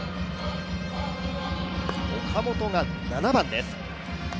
岡本が７番です。